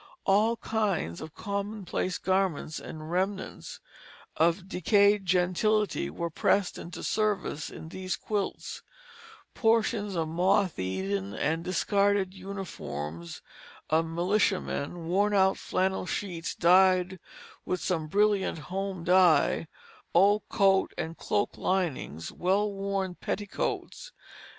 All kinds of commonplace garments and remnants of decayed gentility were pressed into service in these quilts: portions of the moth eaten and discarded uniforms of militia men, worn out flannel sheets dyed with some brilliant home dye, old coat and cloak linings, well worn petticoats.